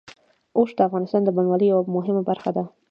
اوښ د افغانستان د بڼوالۍ یوه مهمه برخه ده.